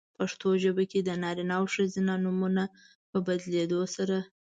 پښتو ژبه کې د نارینه او ښځینه نومونو په بدلېدو سره؛